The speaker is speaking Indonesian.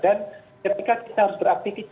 dan ketika kita harus beraktivitas